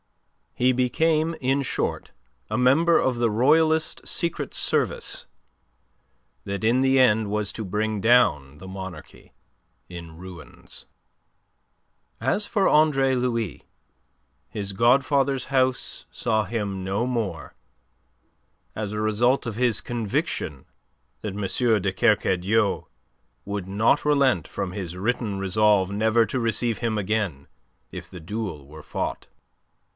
He became, in short, a member of the royalist secret service that in the end was to bring down the monarchy in ruins. As for Andre Louis, his godfather's house saw him no more, as a result of his conviction that M. de Kercadiou would not relent from his written resolve never to receive him again if the duel were fought.